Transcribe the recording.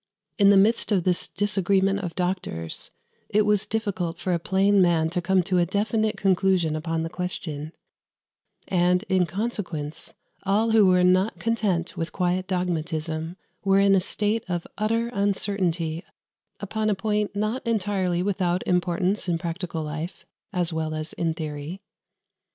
In the midst of this disagreement of doctors it was difficult for a plain man to come to a definite conclusion upon the question; and, in consequence, all who were not content with quiet dogmatism were in a state of utter uncertainty upon a point not entirely without importance in practical life as well as in theory.